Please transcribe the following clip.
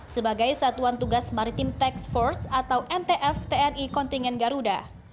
sebagai satuan tugas maritim tax force atau ntf tni kontingen garuda